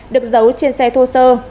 được giấu trên xe thô sơ